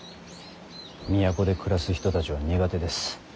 都で暮らす人たちは苦手です。